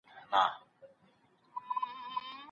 ایا د طلاق محل يوازي صحيحه نکاح ده؟